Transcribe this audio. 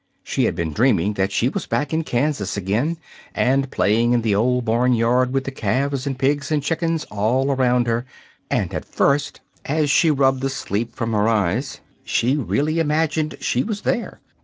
She had been dreaming that she was back in Kansas again, and playing in the old barn yard with the calves and pigs and chickens all around her; and at first, as she rubbed the sleep from her eyes, she really imagined she was there.